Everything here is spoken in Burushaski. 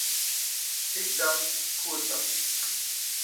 hik ḍam phu etam